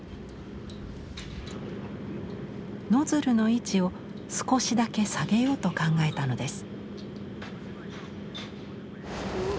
ノズルの位置を少しだけ下げようと考えたのです。